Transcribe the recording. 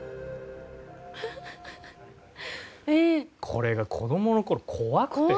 これが子どもの頃怖くて。